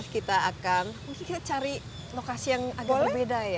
kita akan mungkin kita cari lokasi yang agak berbeda ya